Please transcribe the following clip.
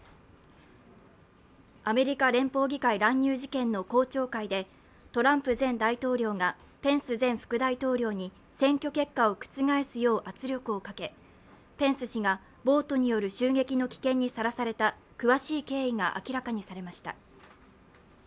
アメリカ連邦議会乱入事件の公聴会でトランプ前大統領がペンス前副大統領に選挙結果を覆すよう圧力をかけペンス氏が暴徒による襲撃の危険にさらされた詳しい経緯が明らかにされました。